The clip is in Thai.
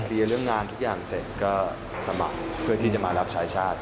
เรื่องงานทุกอย่างเสร็จก็สมัครเพื่อที่จะมารับชายชาติ